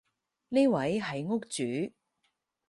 呢位係屋主